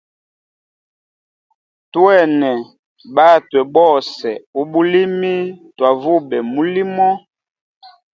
Twene batwe bose ubulimi twavube mulimo.